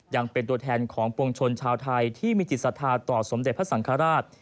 ยังเป็นตัวแทนของปวงชนชาวไทยที่มีจิตศรัทธาต่อสมเด็จพระสังฆราช